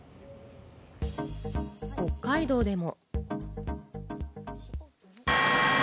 北海道でも。